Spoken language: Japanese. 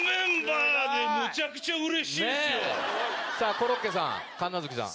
さぁコロッケさん